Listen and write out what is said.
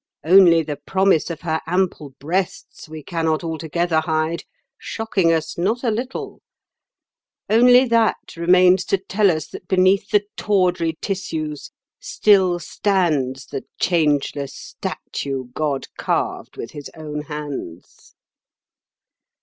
Only the promise of her ample breasts we cannot altogether hide, shocking us not a little; only that remains to tell us that beneath the tawdry tissues still stands the changeless statue God carved with His own hands."